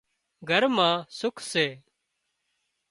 گھر مان سُک سي